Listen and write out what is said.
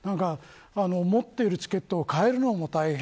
持っているチケットを変えるのも大変。